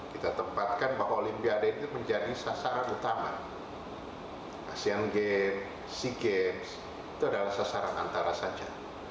kita tempatkan bahwa olimpiade itu menjadi sasaran utama asian games sea games itu adalah sasaran antara saja